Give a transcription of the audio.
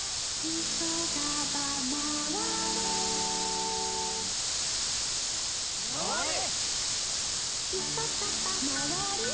「いそがば」「まわれ？」